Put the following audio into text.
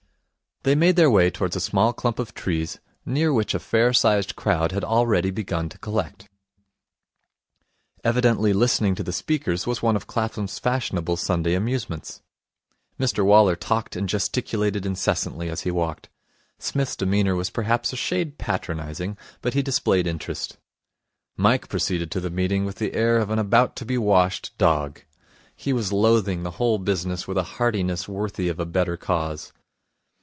They made their way towards a small clump of trees, near which a fair sized crowd had already begun to collect. Evidently listening to the speakers was one of Clapham's fashionable Sunday amusements. Mr Waller talked and gesticulated incessantly as he walked. Psmith's demeanour was perhaps a shade patronizing, but he displayed interest. Mike proceeded to the meeting with the air of an about to be washed dog. He was loathing the whole business with a heartiness worthy of a better cause.